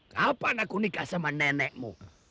kapan aku nikah sama nenekmu